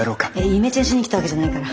イメチェンしに来たわけじゃないから。